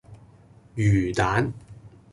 魚蛋